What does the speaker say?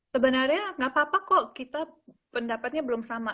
sebenarnya nggak apa apa kok kita pendapatnya belum sama